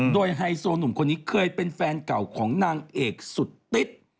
โดยไฮโซหนุ่มคนนี้เคยเป็นแฟนเก่าของนางเอกสุดติ๊ด